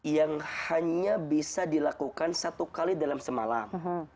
yang hanya bisa dilakukan satu kali dalam semalam